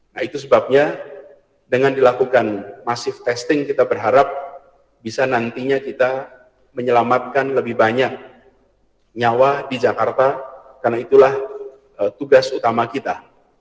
nah itu sebabnya dengan dilakukan masif testing kita berharap bisa nantinya kita menyelamatkan lebih banyak nyawa di jakarta karena itulah tugas utama kita